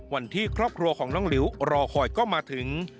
วันที่ครอบครัวของน้องหลิวรอคอยก็มาถึง